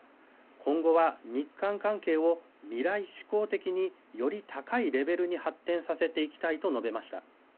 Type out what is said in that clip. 今後は日韓関係を未来志向的により高いレベルに発展させていきたいと述べました。